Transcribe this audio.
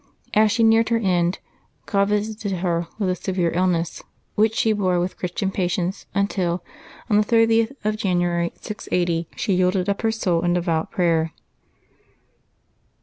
As she neared her end, God visited her with a severe illness, which she bore with Christian patience until, on the 30th of January, 680, she yielded up her soul in devout prayer.